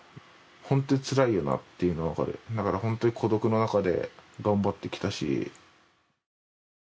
本当につらいよなというのが分かるだから本当に孤独の中で頑張ってきたし。